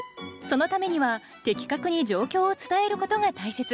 そのためには的確に状況を伝えることが大切。